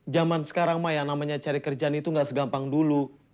zaman sekarang mah yang namanya cari kerjaan itu gak segampang dulu